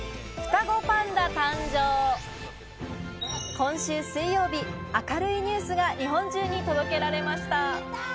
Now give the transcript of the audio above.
今週水曜日、明るいニュースが日本中に届けられました。